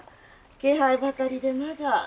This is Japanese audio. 気配ばかりでまだ。